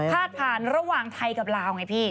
พาดผ่านระหว่างไทยกับลาวไงพี่